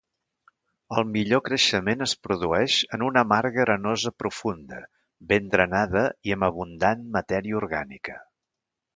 El millor creixement es produeix en una marga arenosa profunda, ben drenada i amb abundant matèria orgànica.